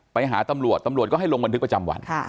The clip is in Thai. ไปหาตำรวจตำรวจก็ให้ลงบันทึกประจำวัน